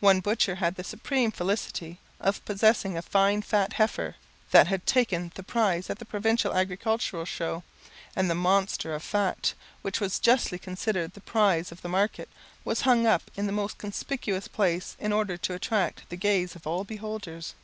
One butcher had the supreme felicity of possessing a fine fat heifer, that had taken the prize at the provincial agricultural show; and the monster of fat, which was justly considered the pride of the market, was hung up in the most conspicuous place in order to attract the gaze of all beholders.